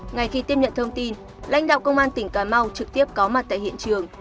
ngay khi tiếp nhận thông tin lãnh đạo công an tỉnh cà mau trực tiếp có mặt tại hiện trường